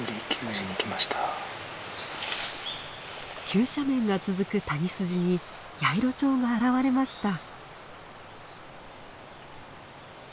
急斜面が続く谷筋にヤイロチョウが現れました。